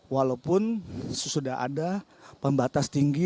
walaupun sudah ada pembatas tinggi